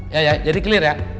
ya ya jadi clear ya